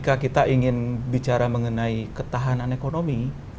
ketika kita ingin bicara mengenai ketahanan ekonomi